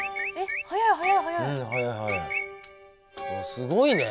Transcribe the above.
すごいね。